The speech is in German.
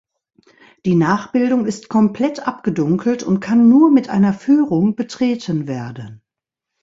Die Nachbildung ist komplett abgedunkelt und kann nur mit einer Führung betreten werden.